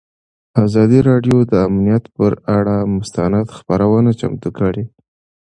ازادي راډیو د امنیت پر اړه مستند خپرونه چمتو کړې.